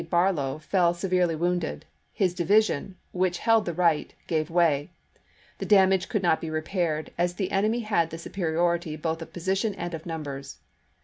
Barlow fell severely wounded, his division, which held the right, gave way ; the damage could not be repaired, as the enemy had the superiority both of position and of numbers.